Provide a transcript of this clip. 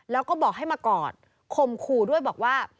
แล้วก็บอกให้มากอดข่มขู่ด้วยบอกว่า